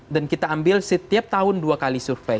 dan kita ambil setiap tahun dua kali survei